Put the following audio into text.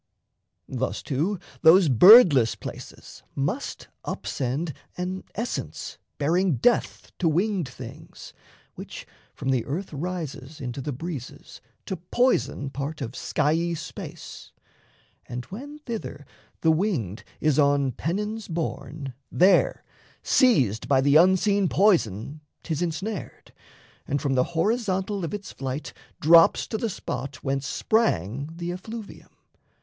Thus, too, those Birdless places must up send An essence bearing death to winged things, Which from the earth rises into the breezes To poison part of skiey space, and when Thither the winged is on pennons borne, There, seized by the unseen poison, 'tis ensnared, And from the horizontal of its flight Drops to the spot whence sprang the effluvium.